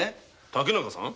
竹中さん